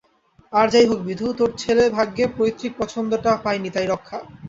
আর যাই হোক বিধু, তোর ছেলে ভাগ্যে পৈতৃক পছন্দটা পায় নি তাই রক্ষা।